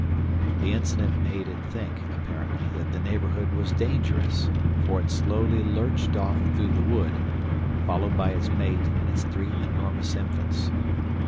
The incident made it think, apparently, that the neighborhood was dangerous, for it slowly lurched off through the wood, followed by its mate and its three enormous infants.